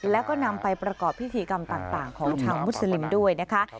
แล้วก็นำไปประกอบพิธีกรรมต่างของชาวมุสลิมด้วยนะคะ